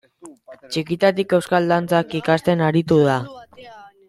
Txikitatik euskal dantzak ikasten aritu da.